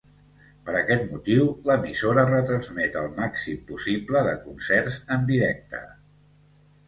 Per aquest motiu, l'emissora retransmet el màxim possible de concerts en directe.